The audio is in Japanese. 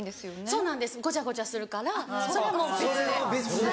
そうなんですゴチャゴチャするからそれはもう別で。